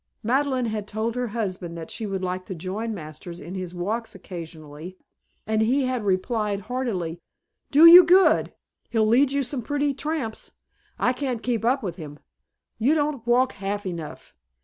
Madeleine had told her husband she would like to join Masters in his walks occasionally, and he had replied heartily: "Do you good. He'll lead you some pretty tramps! I can't keep up with him. You don't walk half enough.